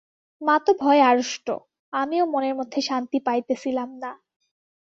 মা তো ভয়ে আড়ষ্ট, আমিও মনের মধ্যে শান্তি পাইতেছিলাম না।